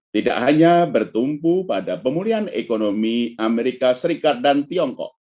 tidak hanya bertumbuh pada pemulihan ekonomi as dan tiongkok